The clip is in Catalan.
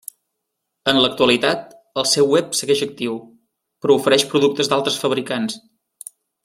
En l'actualitat, el seu web segueix actiu, però ofereix productes d'altres fabricants.